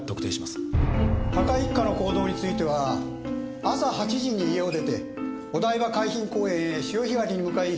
高井一家の行動については朝８時に家を出てお台場海浜公園へ潮干狩りに向かい。